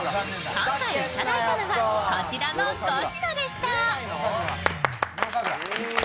今回いただいたのはこちらの５品でした。